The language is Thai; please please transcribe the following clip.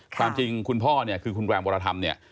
ความจริงคุณพ่อเนี่ยคือคุณแรมวรธรรมเนี่ย